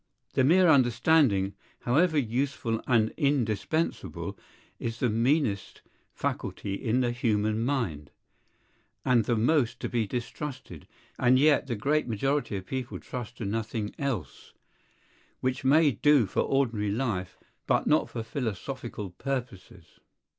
The mere understanding, however useful and indispensable, is the meanest faculty in the human mind, and the most to be distrusted; and yet the great majority of people trust to nothing else; which may do for ordinary life, but not for philosophical purposes.